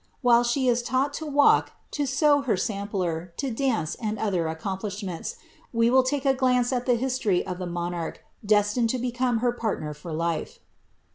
While she is taught to « aik, to sew her sampler, to daon, and other accomplishments, we will take a glsDce at the history of ibt monarch destined lo become her partner for life.